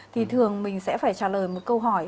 thì thường mình sẽ phải trả lời một câu hỏi